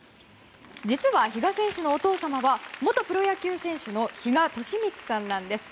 実は比嘉選手のお父様は元プロ野球選手の比嘉寿光さんなんです。